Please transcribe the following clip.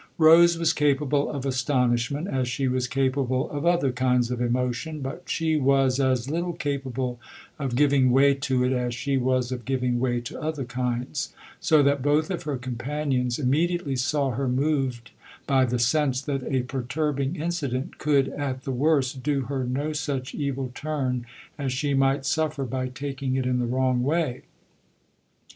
Rose was capable of astonishment, as she was capable of other kinds of emotion ; but she was as little capable of giving way to it as she was of giving way to other kinds ; so that both of her companions immediately saw her moved by the sense that a perturbing incident could at the worst do her no such evil turn as she might suffer by taking it in the wrong way.